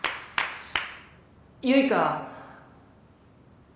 結花。